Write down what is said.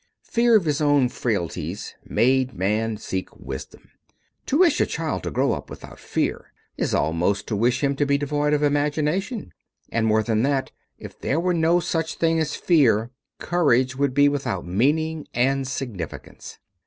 Fear of his own frailties made man seek wisdom. To wish a child to grow up without fear is almost to wish him to be devoid of imagination. And more than that, if there was no such thing as fear courage would be without meaning and significance.